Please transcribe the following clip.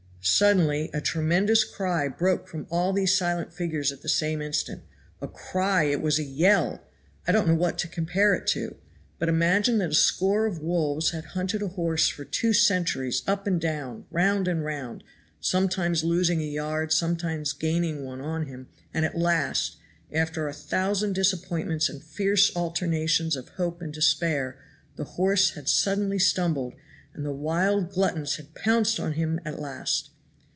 Suddenly a tremendous cry broke from all these silent figures at the same instant. A cry! it was a yell. I don't know what to compare it to. But imagine that a score of wolves had hunted a horse for two centuries up and down, round and round, sometimes losing a yard, sometimes gaining one on him, and at last, after a thousand disappointments and fierce alternations of hope and despair, the horse had suddenly stumbled and the wild gluttons had pounced on him at last.